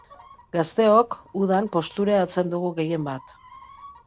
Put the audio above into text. Gazteok udan postureatzen dugu gehien bat.